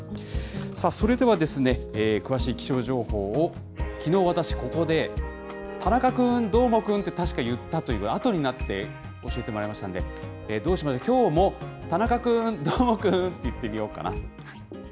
さあ、それでは詳しい気象情報を、きのう、私ここで田中君、どーもくんって確か言ったという、あとになって、教えてもらいましたんで、どうしましょう、きょうも田中君、どーもくんって言ってみようかな。